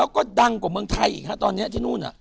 ก็ดังกว่าเมืองไทยอีกครับตอนนี้ที่นู้น